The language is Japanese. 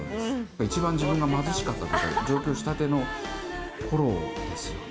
一番自分が貧しかったというか、上京したてのころですよね。